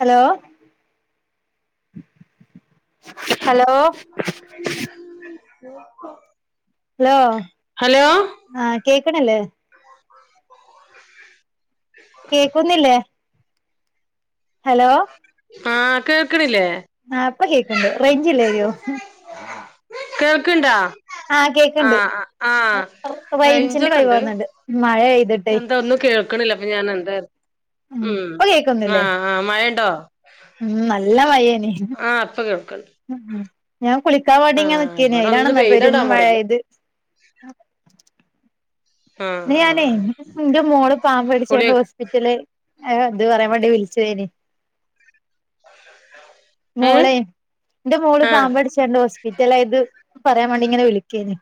Hello hello [unintelligible] hello hello ആ കേക്കണില്ലേ [unintelligible] കേക്കുന്നില്ലേ ഹലോ.. ആഹ് കേക്ണില്ലേ ആ ഇപ്പ കേക്കണ്ട് റേഞ്ചില്ലായോ കേക്ക്ണ്ടാ? ആ കേക്കണ്ട് ർ റൈഞ്ചിന്റെ റേഞ്ചൊക്കെ പെഴ വാ ഉണ്ട് തോന്ന്ണ്ട് മഴ പെയ് എന്താ ഒന്നും കേൾക്കണില്ല അപ്പ ഞാൻ എന്താ ഉം ഇപ്പൊ കേക്കുന്നില്ലേ ആഹ് ആഹ് മഴയുണ്ടോ ഉം നല്ല മഴയാണ് ആ ഇപ്പ കേൾക്ക്ണണ്ട് മം ഞാൻ കുളിക്കാൻ വേണ്ടി ഇങ്ങനെ നിക്കനി ഇവിടെ ഒന്ന് അയിലാണെന്ന് പെരും പെയ്തടാ മഴ മറന്നു പെയ്തേ ആഹ് ഇന്ന് ഞാനേ ആഹ് എന്റെ മോള് പാമ്പ് കുളി കടിച്ചായോണ്ട് ഹോസ്പി റ്റല് ഏ ത് പറയാൻ വേണ്ടി വിളിച്ചേയിനി ഏഹ് മോളെ എന്റെ മോള് ആഹ് പാമ്പ് കടിച്ചാണ്ട് ഹോസ്പിറ്റലായത് പറയാൻ വേണ്ടി ഇങ്ങനെ വിളിക്കേന്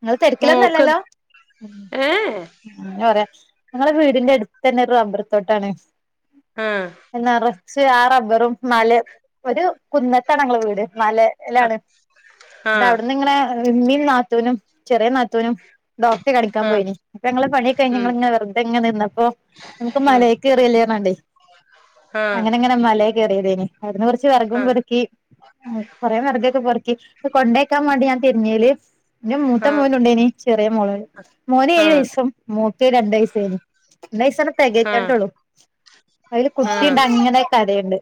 നിങ്ങള് മോൾക്ക് തെരക്കിലൊന്നല്ലല്ലോ ഏഹ് എങ്ങന പറയാ ഞങ്ങളെ വീടിന്റെ എടുത്തെന്നെ ഒരു റബ്ബറ് തോട്ടാണ് ആഹ് ന്നറച്ച് ആ റബ്ബറും മല ഒരു കുന്നത്താണങ്ങളെ വീട് മല എല്ലാണ് ന്നട്ട് ആഹ് അവിടുന്ന് ഇങ്ങനെ ഇമ്മീം നാത്തൂനും ചെറിയ നാത്തൂനും ഡോക്റ്റെ കാണിക്കാൻ ആഹ് പോയിനി. ഇപ്പൊങ്ങള് പണിയൊക്കഴിഞ് ഉം ഞങ്ങണെ വെറതെങ് നിന്നപ്പോ നമക്ക് മല ഉം [unintelligible] ആഹ് അങ്ങനെ ങ്ങനെ മലയെ കയറിയതേനി അവ്ട്ന്ന് കൊറച്ച് വേറകും ആഹ് പോറ്ക്കി കൊറേ വെറകൊക്കെ പോർക്കി കൊണ്ടേക്കാൻ മാണ്ടി ഞാൻ തിരിഞ്ഞേല് ന്റെ മൂത്ത ആഹ് മോനുണ്ടേനി, ചെറിയ മോള്. മോന് ഏഴു ആഹ് വയസും, മോൾക് രണ്ടു വയസായിന്. ഒരു എൈസങ്ങട്ട് ആഹ് തെകഞ്ഞ്ട്ടള്ളു അതില് ആഹ് കുട്ടിയിണ്ട് അങ്ങനെ കരയ്ണ്ട്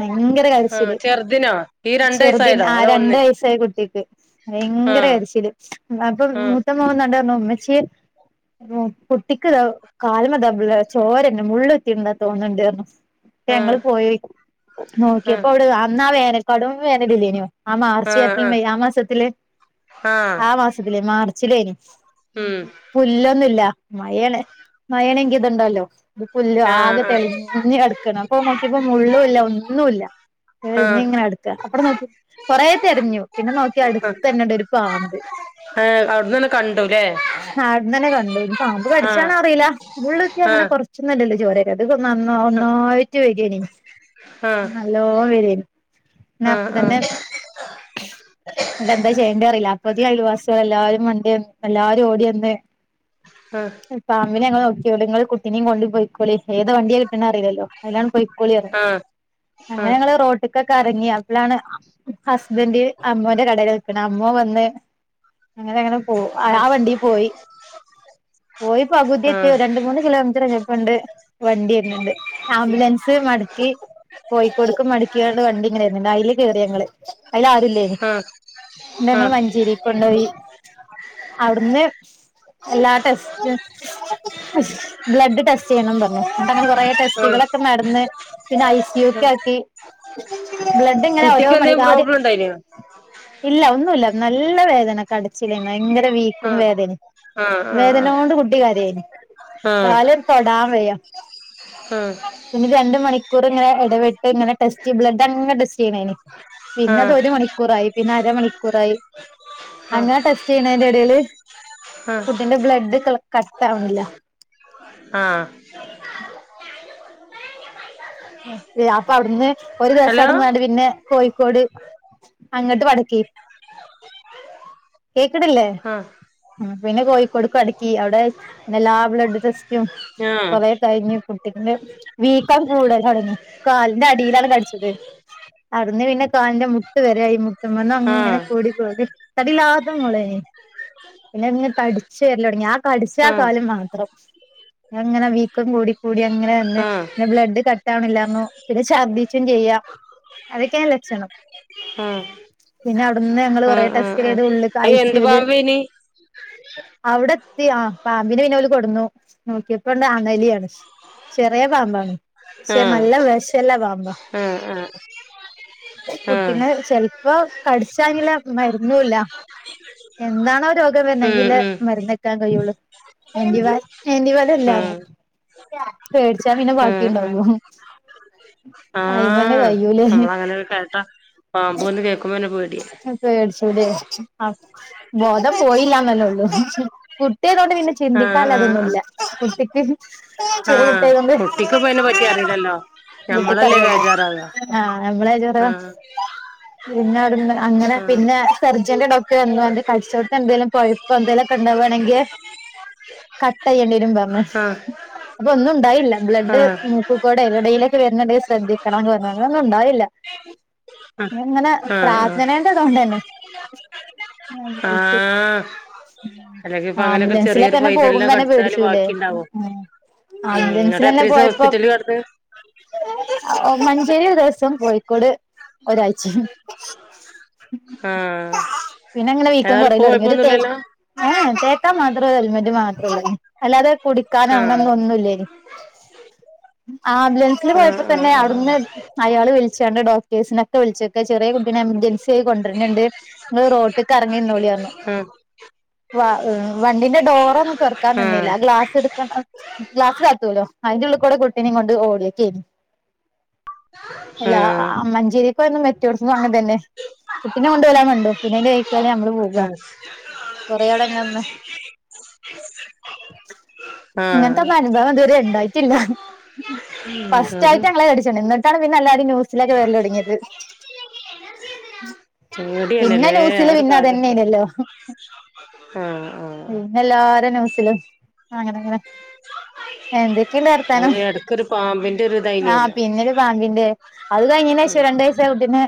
ഭയങ്കര ആഹ് കരച്ചില് ചെറുതിനോ ഈ രണ്ട് ചെറുതി വയസായതോ ആ അതോ രണ്ടു ഒന്ന് വയസായ കുട്ടിക്ക് [unintelligible] ഭയങ്കര ആഹ് കരിച്ചില് അപ്പം ആഹ് മൂത്ത മോന്നാണ്ടു പറഞ്ഞു ഉമ്മച്ച്യേ കുട്ടിക്ക്താ കാല്മേ താ ബ്ല ചോര ര്ന്ന് മുള്ളുത്തി തോന്നുന്നുണ്ടാർ ന്നു ങ്ങൾ ആഹ് പോയി. നോക്കിയപ്പോ ആഹ് അവിടെ അന്നാ വേനൽ കടും വേനലില്ലേനിയോ ആ മാർച്ച്, ഏപ്രിൽ, ആഹ് മെയ് ആ മാസത്തില് ആഹ് ആഹ് ആ മാസത്തില് മാർച്ചിലേനി ഉം പുല്ലൊന്നുല്ല മയെണ്. മയേനെങ്കി ഇത്ണ്ടല്ലോ ഇത് പുല്ല് ആകെ ആഹ് ആഹ് തെളിഞ്ഞ് കട് [unintelligible] അപ്പൊ ഞാൻ നോക്കിയപ്പോ മുള്ളുംല്ല ഒന്നുല്ല ആഹ് ഇങ്ങനെ അട് അപ്പടെ നോക്കി കൊറേ തെരിഞ്ഞു പിന്നെ നോക്കിയ അടുത്ത തന്നെണ്ട് ഒരു പാമ്പ്. ഏഹ് അവിട്ന്നന്നെ കണ്ടുല്ലേ നാട്ന്ന് തന്നെ കണ്ടു. പാമ്പ് ആഹ് കടിചാണോന്ന് അറിയില്ല മുള്ളുത്തിയ അങ്ങനെ ആഹ് കൊറ്ച് തിന്നിട്ട് അല്ലെ ചോര വെരാ ഒന്നായ്റ്റ് വെരേനി ആഹ് നല്ലോ വെരേനി പിന്നെ അപ്പ ആഹ് ആഹ് തന്നെ [inaudible] എന്നിട്ട് എന്താ ചെയ്യേണ്ടി അറിയില്ല അപ്പഴ്ത്തി അഴിൽവാസികൾ എല്ലാരും വണ്ടി എല്ലാരും ഓടിയന്ന് ആഹ് ഫാമിലിഞങ്ങള് നോക്കിയോണ്ട് നിങ്ങള് കുട്ടിനിയും കൊണ്ട് പോയി ഇക്കോളി ഏത് വണ്ടിയ കിട്ട്ണെന്ന് അറിലല്ലോ, അയിലാണ്ട് പോയിക്കോളി പറഞ് ആഹ് ആഹ് അങ്ങനെഞങ്ങള് റോട്ട് ക്കെറങ്ങി അപ്പളാണ് ഹസ്ബൻഡ് അമ്മോന്റെ കടെൽ നിക്കണേ അമ്മോൻ വെന്ന് അങ്ങനെ അങ്ങനെ പോ ആ വണ്ടിൽ പോയി പോയി പകുതിയത്തി ആഹ് രണ്ട് മൂന്ന് കിലോമീറ്ററോ പ്പ ണ്ട് വണ്ടി വര്ൻണ്ട് ആംബുലൻസ് മടക്കി കോഴിക്കോട്ക് മടകിയാണ്ട് വണ്ടി ഇങ്ങനൊവേര്ന്ണ്ട് അതില് കേറി ഞങ്ങള് അയിൽ ആരുല്ലേനി ആഹ് ആഹ് ന്നട്ട് ഞങ്ങള് മഞ്ചേരികൊണ്ടോയി [inaudible] എല്ലാ ടെസ്റ്റ് ബ്ലഡ് ടെസ്റ്റ് ചെയ്യണം പറഞ് ആഹ് ടെസ്റ്റുകളൊക്കെ നടന്ന് പിന്നെ ഐ സി യുക്കെ ആക്കി ബ്ലഡ് ഇങ്ങനെ ഓരോ കുട്ടിക്ക് മണി എന്തേലും ആദ്യം പ്രോബ്ലം ഇണ്ടായിനോ ഇല്ല ഒന്നുല്ല നല്ല വേദന കടച്ചിലെന്നു ഭയങ്കര വീക്കും ആഹ് വേദനിം ആഹ് ആഹ് വേദനോണ്ട് കുട്ടികരിയും ആഹ് കാല് ആഹ് തൊടാൻ വയ്യ ആഹ് പിന്നെ രണ്ട് മണിക്കൂർ ഇങ്ങനെ എടവിട്ട് ഇങ്ങനെ ടെസ്റ്റ് ചെയ ബ്ലഡ് അങ്ങെനെ ടെസ്റ്റ് ചെയ്യണേന് പിന്നെ അത് ആഹ് ഒരു മണിക്കൂറായി, പിന്നെ അരമണിക്കൂറായി ആഹ് അങ്ങനെ ടെസ്റ്റ് ചെയ്യണെന്റെ എടെല് ആഹ് കുട്ടിന്റെ ബ്ലഡ് ക കട്ടവ്ണില്ല. ആഹ്. അപ്പൊ അവ്ട്ന്ന് ഒരു ദിവസം ഹലോ അവിടന്നാണ്ട് പിന്നെ കോഴിക്കോട് അങ്ങട്ട് വട [inaudible] കേക്ക്ടില്ലേ ആഹ് പിന്നെ കോഴിക്കോട് മടക്കി അവിടെല്ലാ ബ്ലഡ് ടെസ്റ്റും ആഹ് കൊറേ കഴിഞ്ഞു കുട്ടിൻ്റെ വീക്കൻ കൂടൽ തുടങ്ങി കാലിന്റെ അടിയിലാണ് കടിച്ചത് അടുന്ന് പിന്നെ കാലിന്റെ മുട്ട് വരെ ആയ് മു [unintelligible] ആഹ് ആഹ് അങ്ങനെ കൂടിക്കൂടി തടില്ലാത്ത മോളേനി പിന്നെ ഇങ്ങെ തടിച്ചു വരല് തൊടങ്ങി. ആ കടിച്ച ആ ആഹ് കാല് മാത്രം ങ്ങനെ വീക്കം കൂടി കൂടി അങ്ങനെ ആഹ് വന്ന് ആഹ് പിന്നെ ബ്ലഡ് കട് [unintelligible] പിന്നെ ഛർദ്ദിച്ചും ചെയ്യാ അതൊക്കെയാ ലക്ഷണം ആഹ് പിന്നെ അവിട് ന്ന് ഞങ്ങള് കൊറെ ടെസ്റ്റ് ആഹ് ചെയ്ത്. ഉള്ളക് അത് എന്ത് ഐസിയുല് പാമ്പേനി അവിടെത്തി ആഹ് പാമ്പിനെ പിന്നെ ഓല് കൊട്ന്നു നോക്കിയപ്പോണ്ട് അണലിയാണ് ചെറിയ പാമ്പാണ് ശ്ശെ ആഹ് നല്ല വെഷ് ആഹ് ആഹ്. ആഹ് കുട്ടീനെ ചെൽപ്പോ കടിച്ചാഞ്ലെ മരുന്നുല്ല. എന്താണോ രോഗം വര്ണെ ഉം അയ്നില്ലെ ഉം മര്ന്ന ക്കാൻ കയ്യോള്ളു [unintelligible] വലല്ല ആഹ് പേടിച്ചാ പിന്നെ ആഹ് ബാക്കിണ്ടാവും ആഹ് അയിമന്നെ ആഹ് കയ്യൂലേ. നമ്മളങ്ങനൊക്കെ കേട്ടാ പാമ്പോന്ന് കേക്കുമ്പോന്നെ പേ പേട്ച്ചുല്ലേ... ആ ബോധം പോയില്ലാ ന്ന്ന്നേള്ളൂ കുട്ടിയാതോണ്ട് പിന്നെ ആഹ് ആഹ് ചിന്തിക്കാല്ലാതൊന്നുല്ല ആഹ് കുട്ടിക്ക് ചെറിയ കുട്ട്യായതോണ്ട് ട്ടിക്ക്പോ അയനെ പറ്റി അറീലല്ലോ [inaudible] ആഹ് നമ്മളെ ആഹ് [unintelligible] അങ്ങനെ ആഹ് പിന്നെ സർജന്റെ ഡോക്ടർ വന്നാണ്ട് കട്ച്ചോട്ത്ത് എന്തെലും പഴ്പ്പോ എന്തെലൊക്കെണ്ടാവാണെങ്കെ കട്ടയ്യേണ്ടിരും പർഞ്ഞു ആഹ് അപ്പൊ ഒന്നും ഉണ്ടായില്ല ബ്ലഡ് ആഹ് മൂക്ക്കൂടെ എവ്ടേലൊക്കെ വര്ന്ന്ണ്ടങ്കിൽ ശ്രദ്ധിക്കണക്കണോന്ന് പറഞ്ഞു അങ്ങെനെന്നുംണ്ടായില്ല [inaudible] ആഹ് ഇങ്ങനെ ആഹ് ആഹ് പ്രാർത്ഥനെന്റെ തോണ്ടെന്നേ ആഹ് അത് ശെരി ആഹ് ഉം അല്ലെങ്കി ഇപ്പ അങ്ങനൊക്കെ ആമ്പുലൻ ചെറിയൊരു മൻസിലൊക്കെന്നെ പൈതലിനെ പോകുംന്നെ കടിച്ചാല് പേടിച്ചുല്ലേ ബാക്കിണ്ടാവോ ഉം എന്നിട്ട് ആബലൻസിലെന്നെ എത്രീസം പോയപ്പോ ഹോസ്പിറ്റലിൽ കെടന്ന് മഞ്ചേരി ഒരോസം കോഴിക്കോട് ഒരാഴ്ച്ചിം ആഹ്. പിന്നെ ങ്ങനെ വീക്കം ഏതായാലും ഇപ്പൊ കൊറിയലോട്ങ്ങി ഒരു തെ കൊഴപ്പൊന്നുല്ലല്ലോ ഏഹ് തേക്കാൻ മാത്രേരു ഓൽമെന്റ് മാത്രള്ളൊയ്നി അല്ലാതെ കുടിക്കാനൊ ആഹ് അങ്ങനൊന്നുല്ലെയ്നി ആംബുലൻസിൽ പോയപ്പോ ആഹ് തന്നെ ആഹ് ആഹ് അവ്ട്ന്ന് അയാള് വിൾച്ചാണ്ട് ഡോക്ടേഴ്സിനൊക്കെ വിളിച്ചക്ക ചെറിയ കുട്ടിയെ എമർജൻസി ആയി കൊണ്ടര്ന്ണ്ട്. ങ്ങള് റോട്ട്ക്ക് എർങ്ങിരുന്നോളിർഞ്ഞു. ഉം വ വണ്ടിന്റെ ഡോറൊന്നും തോർക്കാൻ ആഹ് നിന്നില്ല ഗ്ലാസ് എടു ക്ലാസ് താത്തുല്ലോ അതിന്റെ ഉള്ള് കൂടെ കുട്ടീനേം കൊണ്ട് ഓടിയേക്കെനി. അല്ലാ ആഹ് അ മ്മഞ്ചേരികോയെന്നും മെറ്റൊട്തന്നും അങ്ങൻ തന്നെ കുട്ടിനെ കൊണ്ട് ഓലാൻണ്ട് മണ്ടും പിന്നെ അയ്‌ന്റെ വെയ്തലെ നമ്മള് പോവാ. ആഹ് കൊറെ ആവ്ടെങ്ങനെന്ന് ആഹ് ഉം [unintelligible] ടാണ് പിന്നെല്ലാരും ന്യൂസിലൊക്കെ വരലോടങ്ങിയേത് ഉം പിന്നെ പേടിയന്നല്ലേ ആ ന്യൂസില് ഒരു പിന്നെ കാര്യൊക്കെ അതന്നെനല്ലോ ആഹ് ആഹ് ഉം എല്ലാരും ന്യൂസിലും അങ്ങനെ അങ്ങനെ എന്തൊക്കെയുണ്ട് സ്ഥലം ഒരു എടക്കൊരു പാമ്പിന്റെ ഒരു ആഹ് ഇതായിനല്ലോ പിന്നൊരു പാമ്പിന്റെ അത് കഴിഞ്ഞെനേഷം ഉം രണ്ട് വയസ്സായ കുട്ടിനെ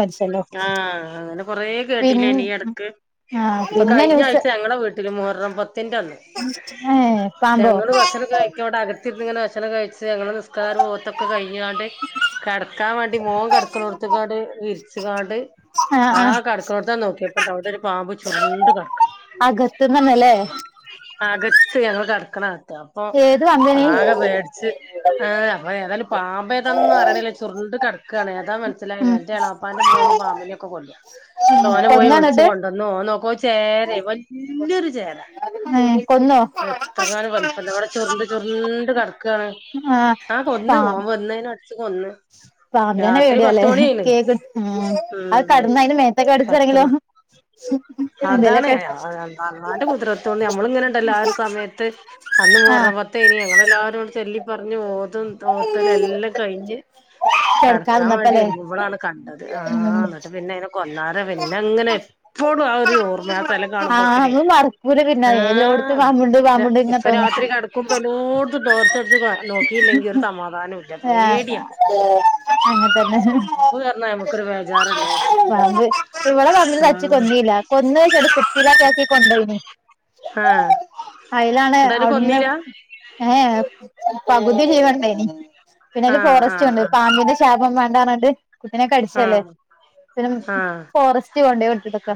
മരിച്ചല്ലോ ആഹ് അങ്ങനെ കൊറേ പിൻ കേട്ടില്ലേയ്നി ഈടക്ക് ആഹ് ഇപ്പൊ പിന്നെ ന്യൂസ് കഴിഞ്ഞാഴ്ച ഞങ്ങളെ വീട്ടില് മുഹറം പത്തിന്റെന്ന് ഏഹ് പാമ്പോ ഞങ്ങള് ഷണകഴിച്ചോണ്ട് അകത്തിര്ന്ന് ഇങ്ങനെ ഭക്ഷണൊക്കെ കഴിച്ച് ഞങ്ങള് നിസ്കാരും ഓത്തൊക്കെ കഴിഞ്ഞാണ്ട് കെടക്കാൻ മാണ്ടി ടി മോൻ കെടക്കണോട്തക്കാണ്ട് വിരിച് കാണ്ട് ആഹ് കട്ക്ണോട്തണ്ട് നോക്കിയപ്പണ്ടാവ്ടെ ഒരു പാമ്പ് ചുരുണ്ട് കടക്ക്ണ്. അകത്ത്ന്നന്നല്ലേ അകത്ത് ഞങ്ങള് കടക്കണകത്ത് അപ്പൊ ഏത് പാമ്പേനി ആകെ ബേ [unintelligible] ഏതായാലും പാമ്പ ഏതാന്നും അറിയണില്ലേ ചുരുണ്ട് കിടക്കുവാണ് ഏതാ ഉം എന്റെ എളാപ്പാന്റെ മോന് പാമ്പിനെൊക്കെ കൊല്ലും ഉം ണ്ടട്ടോന പോയി കൊന്നോ ഒളിച്ചച്ച് ന്നട്ട് കൊ വന്ന് ഓന് നോക്കുമ്പ ചേര വല്യരു ചേരാ ഉം കൊന്നോ എത്ര കാനം വലുപ്പം വടെ ചുറണ്ട് ചുറണ്ട് കടക്കണ് ആഹ് ആ കൊന്ന് ഓൻ വെന്നേ കൊന്ന് പാമ്പ്നന്നെ രാത്രി പേടിയാല്ലേ പത്ത് മണിയായിണ് കേക്ക് ഉം അത് ഉം കടന്ന് അതിന് മേത്തൊക്കെ പത്ത് കടക്കാണെങ്കിലോ മ അതാണ് അല്ലാൻ്റെ കുതിരത്തുകൊണ്ട് നമ്മള് ഇങ്ങനെുണ്ടല്ലോ ആ ഒരു സമയത്ത് അന്ന് ആഹ് മുഹറം പത്തേനി അങ്ങനെ എല്ലാരും ചെല്ലി പറഞ്ഞ് ഓതും ഓത്തലും എല്ലാം കഴിഞ്ഞ് കടക്കാൻ വേണ്ടി കെടക്കാതിന്നപ്പല്ലേ ഒരുങ്ങുമ്പോഴാണ് കണ്ടത് ആ ഉം എന്നിട്ട് പിന്നെ അയനെ കൊന്നാര പിന്നെ അങ്ങനെ എപ്പോഴും ആ ഒരു ഓർമ്മയാ സ്ഥലം ആഹ് കാണുമ്പോക്ക്ന് നമ്മള് മറക്കൂല പിന്നെ എല്ലോടത്തും ആഹ് പാമ്പുണ്ട് പാമ്പുണ്ട് ഇങ്ങനെ ഇപ്പ തോന്നും രാത്രി കട നക്കുമ്പോ എനോൂടുും ഡോർച്ചടിച്ച് നോക്കിയില്ലെങ്കിൽ ഒരു സമാധാനം ഇല്ല ആ പേടിയാ [unintelligible] അങ്ങനെത്തന്നെ എന്നാ നമുക്കൊരു ബേജാറല്ലേ അത് ഇവള വന്ന തച്ച് ആഹ് കൊന്നല്ല കൊന്ന് ചെട കുപ്പിയിലെക്കൊ ആക്കി കൊണ്ടന് ആഹ് അയലാണ് എന്നിട്ടതിനെ അവിടുന്ന് കൊന്നീല ഏഹ് പകുതി ജീവണ്ടേനി പിന്നെ ഒരു ആഹ് ഫോറസ്റ്റ് ആഹ് കൊണ്ടോയി ആഹ് പാമ്പിന്റെ ശാപം വേണ്ടാന്നുകണ്ട് കുട്ടിനെ കടിച്ചയല്ലേ ആഹ് പിന്ന ആഹ് ഫോറസ്റ്റ് കൊണ്ട വിട്ടിട്ടൊക്കെ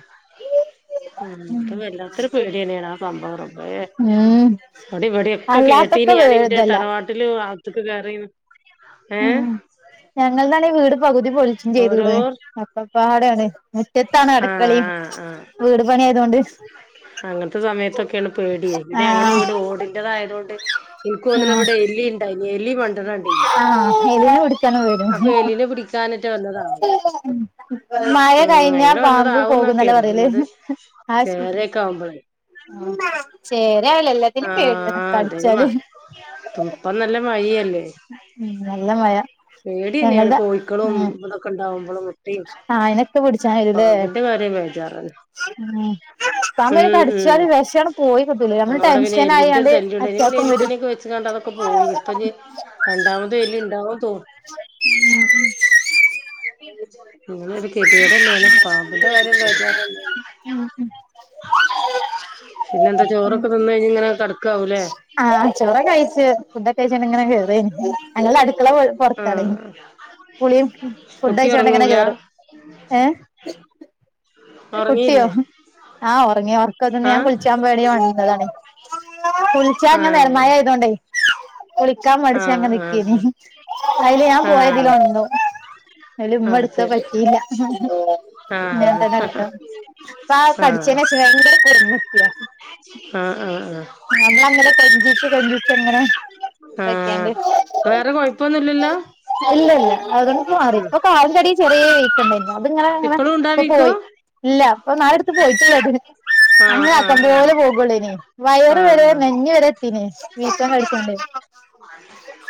ഉ അത് വല്ലാത്തൊരു പേടി തന്നെയാണ് ആ സംഭവം മഴെ ഉം അത്അവിടെ ഇവിടെക്കെ കേട്ടീ അല്ലാത്തൊക്കെ നി വേ ഞാനിന്റെ ഇതല്ല തറവാട്ടില് ആത്തക്ക് കേയറീന്ന് ഉം ഞങ്ങൾന്നാണഈ വീട് പകുതി പൊളിച്ചും ഓരോ ചെയ്ത്ക്കണ് അക്കൽപ്പാടാണ് ഇതാണ്അടക്കള ആഹ് ആഹ് ആഹ് യുംവീട് പണിയ ആതു കൊണ്ട് അങ്ങനത്തെ സമയത്തൊക്കെയാണ് പേടിയ പിന്നെ ഞങ്ങളെ ആഹ് വീട് ഓടിന്റെതായ കൊണ്ട് എനിക്ക് തോന്നണത് ഇവിടെ എലി ഉണ്ടായിനി എലി പണ്ടണകണ്ടേ ആ എലിയാ ഇവിടെ തന്നെയാ വീട് കുടിക്കാന് മറ്റ് വന്ന് മഴ ഉം കഴിഞ്ഞ അങ്ങനെ പാമ്പ് വന്നതാവുംന്നാ പോകുന്നല്ലേപറയല് ആശ് ക്കാവുമ്പോഴേ ചേരയാണ് എല്ലാത്തിനും പേടിയാണ്കടിച്ചാല് തുപ്പംനല്ല മഴയല്ലേ ഉം നല്ല മഴ പേടിയന്നെയാണ് ഞങ്ങളുടെ കോഴിക്കളും ഉം ഇതൊക്കെ ഉണ്ടാവുമ്പോളും ആയിനൊക്കെ പിടിച്ചാൻ വരൂല്ലേ പാമ്പിന്റെ കാര്യ ബേജാർ ഉം പാമ്പിനെ ഉം ഉം കടിച്ചാല് വിഷാണ് പോയി കിട്ടൂലേ നമ്മള് ഞങ്ങളോടെ പിന്നെ ടെൻഷൻ എല്ലിന്റെ ആയാണ്ട് ശല്ല്യം ഇണ്ടായിന് പിന്നെ അറ്റാക്കും വരും എല്ലിക്കണിക്കെ വെച്ച് കണ്ടതൊക്കെ പോയി നി ഇപ്പൊ രണ്ടാമത് വല്യയഇണ്ടാവോ തോ ഇങ്ങനൊരു കെതി കേട് തന്നെയാണ് പാ അന്റെ കാര്യം ബേജാറ് തന്നെ ഉം ഉം പിന്നെ എന്താ ചോറൊക്കെ നിന്ന കഴിഞ്ഞ ഇങ്ങനെ കടക്കാവൂല്ലേ ആഹ് ആ ചോറ് കഴിച്ച് ഫുഡ് കഴിച്ച് ഇങ്ങനെ കേറനു അല്ല അടുക്കള. ആഹ് കുളിയും ഫുഡ് കുട്ടി കഴിച്ചോണ്ട് ഇങ്ങനെ ഒറങ്ങൂല കേറും. ഏഹ് കുട്ടിയോ ഒറങ്ങീല്ലേ ആഹ് ഉറങ്ങിയ ഉറക്കതന്ന് ഞാൻ ആഹ് കുളിച്ച ഇവടെയും ഉണ്ട് അതാണെ കുളിച്ച അങ്ങ ഏഹ് മഴ ആയതോണ്ടേ കുളിക്കാൻ മടിച്ച അങ്ങ ആഹ് നിക്കീന ആഹ് അതില് ഞാൻ ആഹ് ആഹ് പോയതില് ഉണ്ടോ അതില് ആഹ് ഉമ്മഎടുത്ത ശരി പറ്റിയില്ല ആഹ് ഹ ഹഹ ഇപ്പാ കടിച്ചെന് ശേഷം ഭയങ്കര കുറുമ്പത്തിയ ആഹ് ആഹ് നമ്മളങ്ങ് കൊഞ്ചിച്ച് കൊഞ്ചിച്ച് ങ്ങനെ വെക്കാണ്ട് ഇപ്പൊന്നുല്ലല്ലോ. ഇല്ല അതൊണ്ട് മാറി ഇപ്പോ കാലിന്റെടി. ചെറിയ വീക്കണ്ടാരുന്നു അത്ങ്ങനെ അങ്ങനെ ഇപ്പളും ഇപ്പ ഉണ്ടാവീക്കോ പോയി ഇല്ല അപ്പൊ നാളടുത്ത് പോയിട്ടൊള്ളു അതിന്. ആഹ് അങ്ങന ആഹ് ആഹ് ആക്കാമ്പോലെ പോകുള്ളൂനി. വയറ് വരെ നെഞ്ഞ്വരെ എത്തിന്.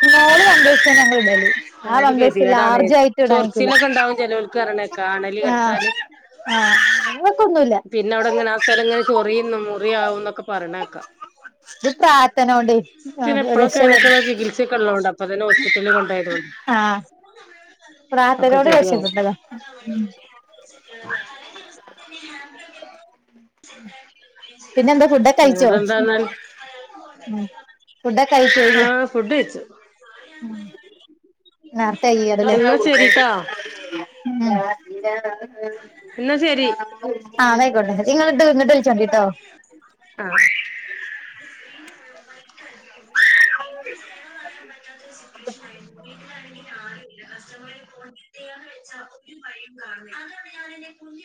സ്മോള് പമ്പേഴ്സാ ഞങ്ങൾ ഇടല് ആ ഒരു പമ്പേഴ്സ് ഗതിയേടാണ് ലാർജ് ആയിട്ട് ഇടാൻ നിക്കൂല ചൊറച്ചിലൊക്കെ ണ്ടാവും ചെലോല്ക്ക് അറീണേക്ക അണലി ആഹ് കടിച്ചാല്. ആഹ് ഞങ്ങക്കൊന്നുല്ല പിന്നെ അവിടെങ്ങനെ ആ സ്ഥലം ഇങ്ങനെ ചൊറിയുന്നു മുറിയാവും ന്നൊക്കെ പറഞ്ഞേക്കാ. പ്രാർ പിന്നെപ്പളെക്കെ അയിനൊക്കെള്ള ചികിത്സൊക്കെ ഉള്ളതോണ്ട് അപ്പൊ തന്നെ ഹോസ്പിറ്റലില് കൊണ്ടയതോണ്ട്. ആ. പ്രാർത്തനോണ്ട് രക്ഷപ്പെട്ടതാ. തലേ ദിവസം. ഉം. പിന്നെ എന്താ ഫുഡൊക്കെ കഴിച്ചോ. വേറെന്താന്നാൽ ഫുഡൊക്കെ കഴിച്ചോ. ആഹ് ഫുഡ് കൈച്ചു ഉ നേർത്തായ് അത് ലേ. എന്നാ ശരിട്ടാ ഉം. എന്നാ ശരി ആ ന്നയിക്കോട്ടെ. നിങ്ങള് ഇങ്ങിട്ട് വിളിച്ചോണ്ടി ട്ടോ. ആഹ്. [unintelligible] പറയാൻ പറ്റാത്ത ഒരു സിറ്റുവേഷൻ ആയി പോയി. ണെങ്ക ആരുല്ല. കസ്റ്റമ [unintelligible] [inaudible]